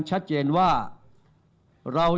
ขอบคุณครับ